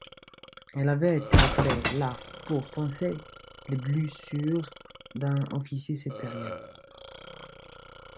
Il avait été appelé là pour panser les blessures d'un officier supérieur.